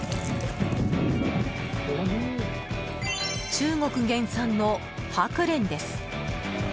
中国原産のハクレンです。